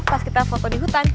pas kita foto di hutan